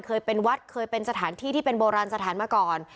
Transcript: เคยเป็นวัดเคยเป็นสถานที่ที่เป็นโบราณสถานมาก่อน